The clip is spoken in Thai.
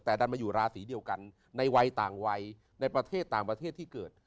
แต่ดันมาอยู่ราศีเดียวกันในวัยต่างวัยในประเทศต่างประเทศที่เกิด